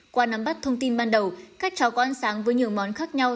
qua nắm bắt thông tin ban đầu các cháu có ăn sáng với nhiều món khác nhau